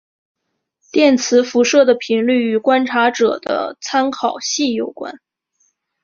电磁辐射的频率与观察者的参考系有关。